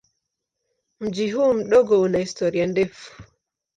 Mji huu mdogo una historia ndefu.